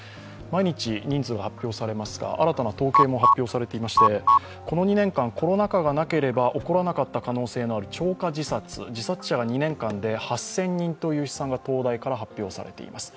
毎日人数が発表されますが新たな統計も発表されていましてこの２年間、コロナ禍がなかったら起こらなかった可能性がある超過自殺、自殺者が２年間で８０００人という試算が東大から発表されています。